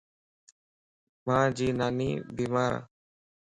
مانجي ناني بيمارَ